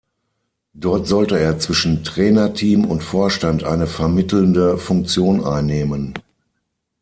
Dort sollte er zwischen Trainerteam und Vorstand eine vermittelnde Funktion einnehmen.